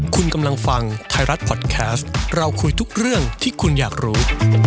คุณกำลังฟังไทยรัฐพอดแคสต์เราคุยทุกเรื่องที่คุณอยากรู้